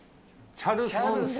チャルソンス？